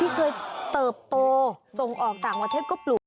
เคยเติบโตส่งออกต่างประเทศก็ปลูก